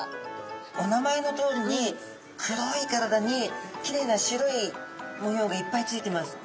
お名前のとおりに黒い体にきれいな白い模様がいっぱい付いてます。